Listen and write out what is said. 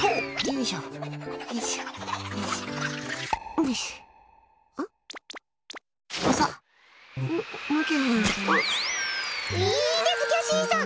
いいです、キャシーさん。